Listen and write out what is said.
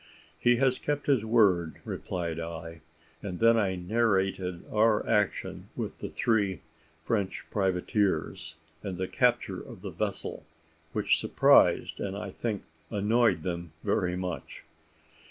"He has kept his word," replied I: and then I narrated our action with the three French privateers, and the capture of the vessel; which surprised, and, I think, annoyed them very much.